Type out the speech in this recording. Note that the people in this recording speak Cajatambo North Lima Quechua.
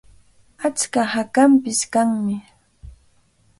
Achka hakanpish kanmi.